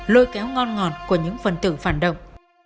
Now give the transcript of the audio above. lôi kéo ngon ngọt của những phần tử phản động